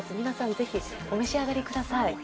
皆さん、ぜひお召し上がりください